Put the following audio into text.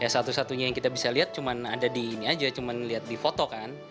satu satunya yang kita bisa lihat cuma ada di ini aja cuma lihat di foto kan